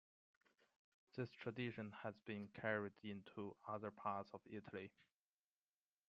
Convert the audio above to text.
This tradition has been carried into other parts of Italy.